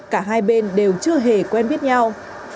cả hai bên đều chưa hề quen biết nhau